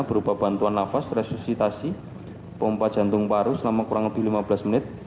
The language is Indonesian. berupa bantuan nafas resusitasi pompa jantung paru selama kurang lebih lima belas menit